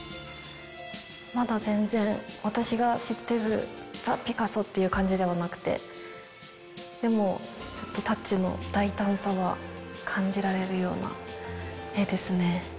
まだ全然、私が知ってるザ・ピカソっていう感じではなくて、でも、タッチの大胆さが感じられるような絵ですね。